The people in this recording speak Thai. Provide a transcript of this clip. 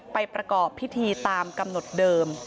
ประกอบพิธีตามกำหนดเดิม